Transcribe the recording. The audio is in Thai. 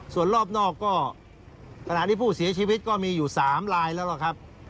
ส่วนรอบนอกก็ขณะที่ผู้เสียชีวิตก็มีอยู่๓ลายแล้วล่ะครับ